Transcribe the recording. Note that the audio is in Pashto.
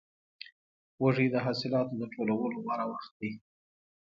وږی د حاصلاتو د ټولولو غوره وخت دی.